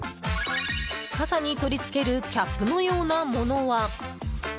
傘に取り付けるキャップのようなものは。